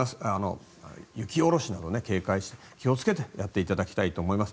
雪下ろしなど警戒して気をつけてやっていただきたいと思います。